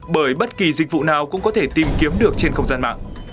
bởi bất kỳ dịch vụ nào cũng có thể tìm kiếm được trên không gian mạng